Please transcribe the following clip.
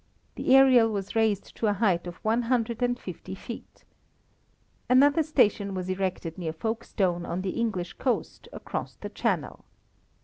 The aerial was raised to a height of one hundred and fifty feet. Another station was erected near Folkestone on the English coast, across the Channel.